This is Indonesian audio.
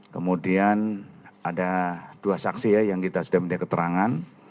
kemudian ada dua saksi ya yang kita sudah minta keterangan